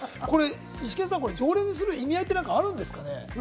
イシケンさん、これ、条例にする意味合いって何かあるんですかね？